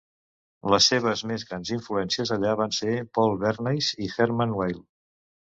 Les seves més grans influències allà van ser Paul Bernays i Hermann Weyl.